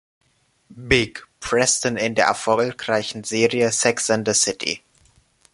Big“ Preston in der erfolgreichen Serie "Sex and the City".